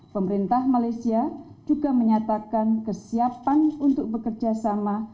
pemerintah malaysia juga menyatakan kesiapan untuk bekerjasama